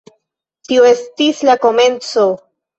Tio estis la komenco.